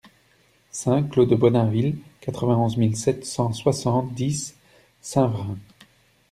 cinq clos de Bonainville, quatre-vingt-onze mille sept cent soixante-dix Saint-Vrain